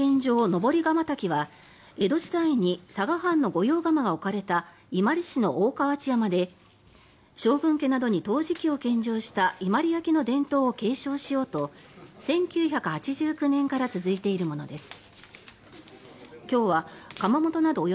登り窯焚きは江戸時代に佐賀藩の御用窯が置かれた伊万里市の大川内山で将軍家などに陶磁器を献上した伊万里焼の伝統を継承しようと１９８９年から続いているものです。